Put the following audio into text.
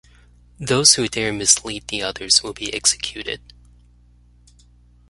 Those who dare mislead the others will be executed!